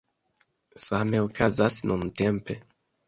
Same okazas nuntempe.